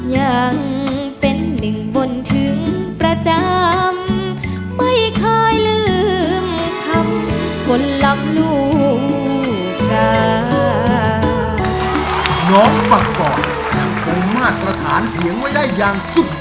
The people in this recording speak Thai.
อย่างเป็นหนึ่งบนถึงประจำไม่ค่อยลืมคำคนรักลูกกา